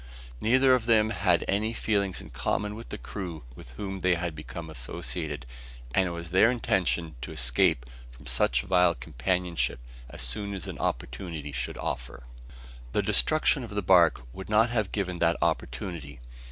Neither of them had any feelings in common with the crew with whom they had become associated; and it was their intention to escape from such vile companionship as soon as an opportunity should offer. The destruction of the bark would not have given that opportunity.